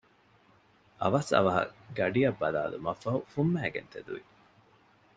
އަވަސް އަވަހަށް ގަޑިއަށް ބަލާލުމަށްފަހު ފުންމައިގެން ތެދުވި